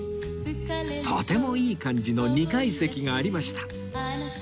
とてもいい感じの２階席がありました